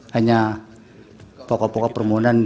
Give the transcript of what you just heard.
hanya pokok pokok permohonan